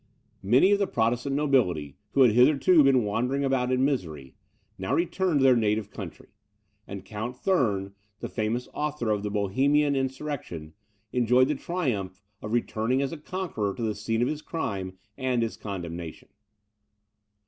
Many of the Protestant nobility, who had hitherto been wandering about in misery, now returned to their native country; and Count Thurn, the famous author of the Bohemian insurrection, enjoyed the triumph of returning as a conqueror to the scene of his crime and his condemnation.